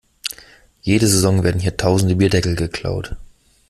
Jede Saison werden hier tausende Bierdeckel geklaut.